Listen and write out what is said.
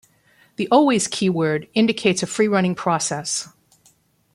The always keyword indicates a free-running process.